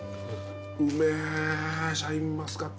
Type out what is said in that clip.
うめぇシャインマスカットの。